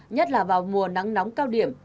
nhất là vào mùa nắng nóng cao điểm